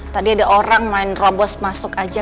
tadi ada orang main robos masuk aja